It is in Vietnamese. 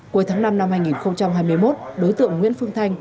cuối tháng năm năm hai nghìn hai mươi một đối tượng nguyễn phương thanh